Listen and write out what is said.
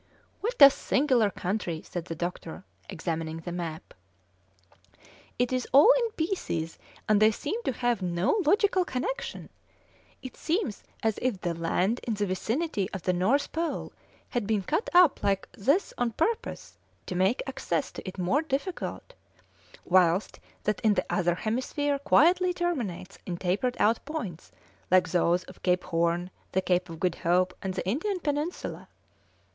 "What a singular country!" said the doctor, examining the map. "It is all in pieces, and they seem to have no logical connection. It seems as if the land in the vicinity of the North Pole had been cut up like this on purpose to make access to it more difficult, whilst that in the other hemisphere quietly terminates in tapered out points like those of Cape Horn, the Cape of Good Hope, and the Indian Peninsula.